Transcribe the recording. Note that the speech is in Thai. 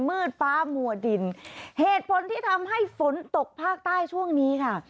มืดฟ้ามัวดินเหตุผลที่ทำให้ฝนตกภาคใต้ช่วงนี้ค่ะ